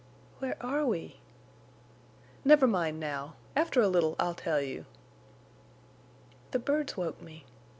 "Where are we?" "Never mind now. After a little I'll tell you." "The birds woke me.